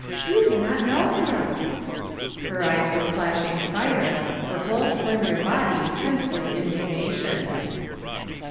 You do not know him !" Her eyes were flashing fire; her whole slender body tense with indignation.